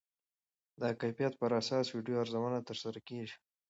د کیفیت پر اساس ویډیو ارزونه ترسره کېږي.